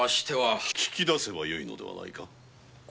聞き出せばよいのではないか！